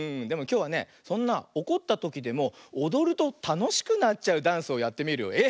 でもきょうはねそんなおこったときでもおどるとたのしくなっちゃうダンスをやってみるよ。